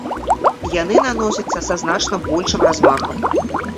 Яны наносяцца са значна большым размахам.